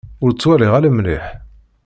Ur ttwaliɣ ara mliḥ.